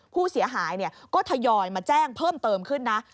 ผู้เสียหายก็ทยอยมาแจ้งเพิ่มเติมขึ้นนะ